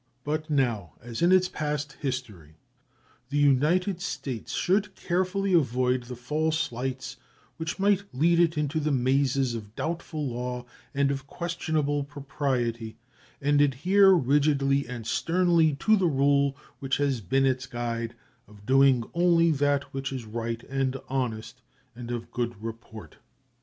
But now, as in its past history, the United States should carefully avoid the false lights which might lead it into the mazes of doubtful law and of questionable propriety, and adhere rigidly and sternly to the rule, which has been its guide, of doing only that which is right and honest and of good report.